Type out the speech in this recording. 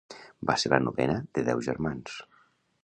Va ser la novena de deu germans.